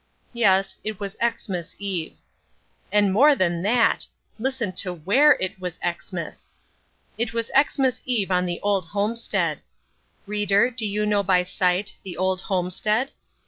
Yes, it was Xmas Eve. And more than that! Listen to where it was Xmas. It was Xmas Eve on the Old Homestead. Reader, do you know, by sight, the Old Homestead?